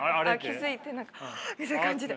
気付いて「あ！」みたいな感じで。